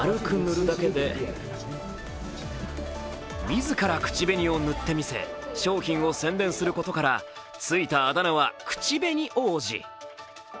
自ら口紅を塗ってみせ商品を宣伝することからついたあだ名は、口紅王子。